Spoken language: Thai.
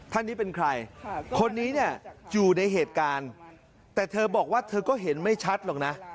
ท่านนี้เป็นใครคนนี้เนี่ยอยู่ในเหตุการณ์แต่เธอบอกว่าเธอก็เห็นไม่ชัดหรอกนะ